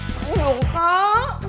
kamu dong kak